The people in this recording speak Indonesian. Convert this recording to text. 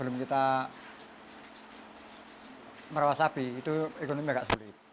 merawat sapi itu ekonomi agak sulit